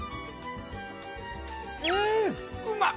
うんうまっ！